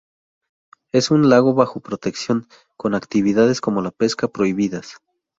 Es un lago bajo protección, con actividades como la pesca, prohibidas.